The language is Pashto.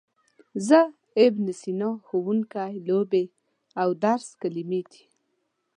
زه، ابن سینا، ښوونکی، لوبې او درس کلمې دي.